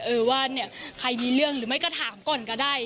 เออว่าเนี่ยใครมีเรื่องหรือไม่ก็ถามก่อนก็ได้